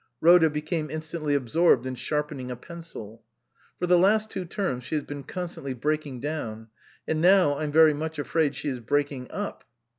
(Rhoda became instantly absorbed in sharpen ing a pencil.) " For the last two terms she has been con stantly breaking down ; and now I'm very much afraid she is breaking up."